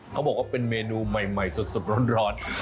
เขาบอกว่าเป็นเมนูใหม่สดร้อน